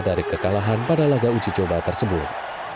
dari kekalahan pada laga uji coba tersebut